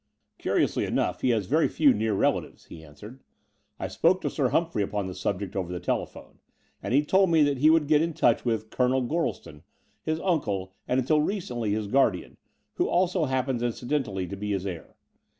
Curiously enough he has very few near rela tives/' he answered. "I spoke to Sir Humphrey upon the subject over the telephone, and he told me that he would get into touch with Colonel Gorieston, his unde and until recently his guard ian, who also happens incidentally to be his heir.